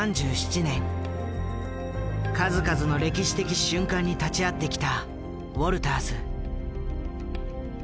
数々の歴史的瞬間に立ち会ってきたウォルターズ。